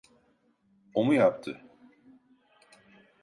O mu yaptı?